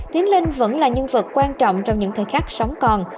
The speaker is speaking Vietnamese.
tiến lên vẫn là nhân vật quan trọng trong những thời khắc sống còn